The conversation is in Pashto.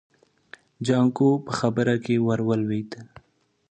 جانکو په خبره کې ور ولوېد.